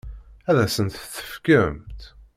Ad asent-tt-tefkemt?